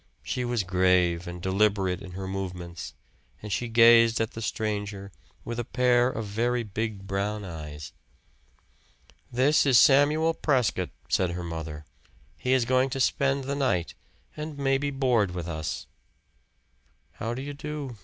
She was grave and deliberate in her movements, and she gazed at the stranger with a pair of very big brown eyes. "This is Samuel Prescott," said her mother. "He is going to spend the night, and maybe board with us." "How do you do?"